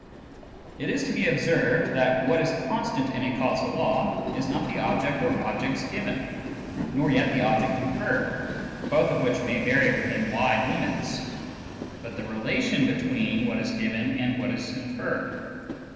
It is to be observed that what is constant in a causal law is not the object or objects given, nor yet the object inferred, both of which may vary within wide limits, but the relation between what is given and what is inferred.